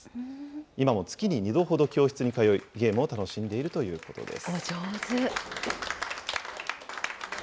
今も月に２度ほど教室に通い、ゲームを楽しんでいるということです。